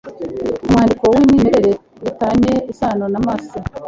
mu mwandiko w umwimerere ri tanye isano n amase